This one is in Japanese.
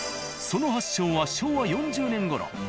その発祥は昭和４０年ごろ。